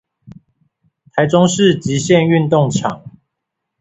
臺中市極限運動場